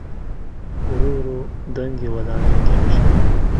ورو ورو دنګې ودانۍ کمې شوې.